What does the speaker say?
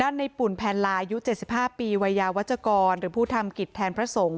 ในปุ่นแพลนลายุ๗๕ปีวัยยาวัชกรหรือผู้ทำกิจแทนพระสงฆ์